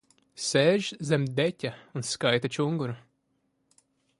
Sēž zem deķa un skaita čunguru.